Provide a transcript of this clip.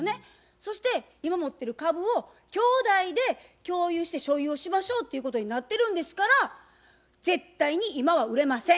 そして今持ってる株を兄弟で共有して所有をしましょうっていうことになってるんですから絶対に今は売れません。